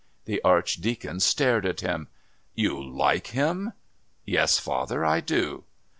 The Archdeacon stared at him. "You like him?" "Yes, father, I do."